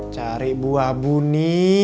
cari buah buni